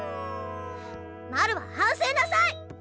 マルは反省なさい！